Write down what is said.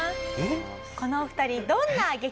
このお二人どんな激